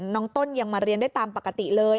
ต้นยังมาเรียนได้ตามปกติเลย